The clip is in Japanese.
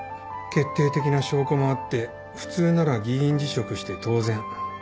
決定的な証拠もあって普通なら議員辞職して当然。